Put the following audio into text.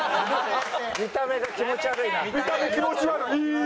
見た目気持ち悪いー！